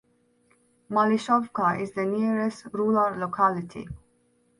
Malyshovka is the nearest rural locality.